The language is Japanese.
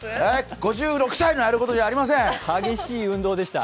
５６歳のやることじゃありません。